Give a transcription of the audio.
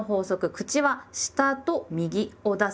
「口は下と右を出す」。